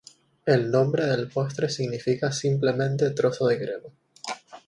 El nombre del postre significa simplemente "trozo de crema".